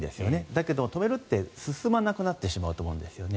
だけど、止めるって進まなくなってしまうと思うんです。